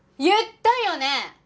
言ったよね？